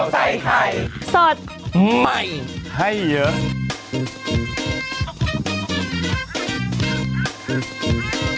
โปรดติดตามตอนต่อไป